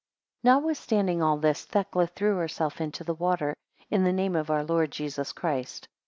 8 Notwithstanding all this, Thecla threw herself into the water, in the name of our Lord Jesus Christ.